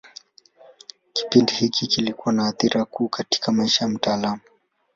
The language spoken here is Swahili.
Kipindi hiki kilikuwa na athira kuu katika maisha ya mtaalamu.